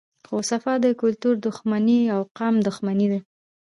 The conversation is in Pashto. خو صفا د کلتور دښمني او قام دښمني ده